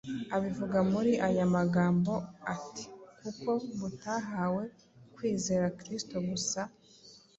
Abivuga muri aya magambo ati, “Kuko mutahawe kwizera Kristo gusa,